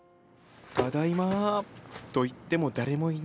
ただいまと言っても誰もいない。